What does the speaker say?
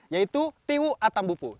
yaitu tiwu atambupu